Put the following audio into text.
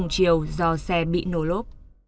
điều do xe bị nổ lốp